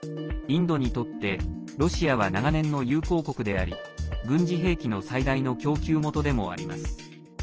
インドにとってロシアは長年の友好国であり軍事兵器の最大の供給元でもあります。